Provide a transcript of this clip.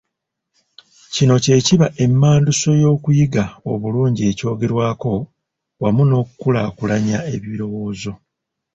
Kino kye kiba emmanduso y’okuyiga obulungi ekyogerwako wamu n’okukulaakulanya ebirowoozo.